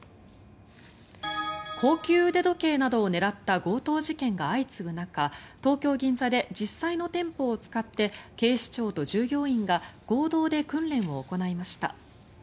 高級腕時計などを狙った強盗事件が相次ぐ中東京・銀座で実際の店舗を使って警視庁と従業員が合同で訓練を行いました。